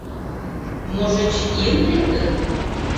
Можыч, ийын лектын?